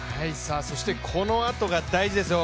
そしてこのあとが大事ですよ。